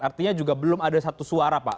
artinya juga belum ada satu suara pak